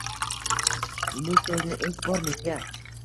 Bu so’zni ilk bor menga